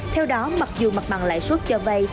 theo đó mặc dù mặt bằng lãi suất cho vay